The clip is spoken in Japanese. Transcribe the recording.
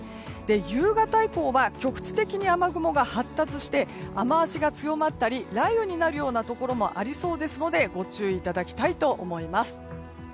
夕方以降は局地的に雨雲が発達して雨脚が強まったり雷雨になるようなところもありそうですのでご注意いただきたいと思います。